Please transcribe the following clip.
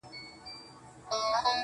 دا مي سوگند دی,